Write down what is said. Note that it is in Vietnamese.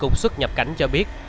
cuộc xuất nhập cảnh cho biết